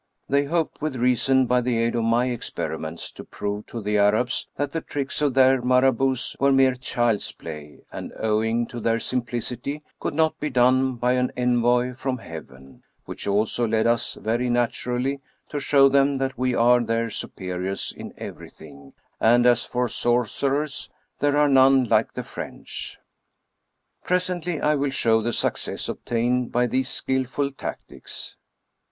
They hoped, with reason, by the aid of my experiments, to prove to the Arabs that the tricks of their Marabouts were mere child's play, and owing to their simplicity could not be done by an envoy from Heaven, which also led us very naturally to show them that we are their superiors in everything, and, as for sorcerers, there are none like the French. Presently I will show the success obtained by these skill ful tactics.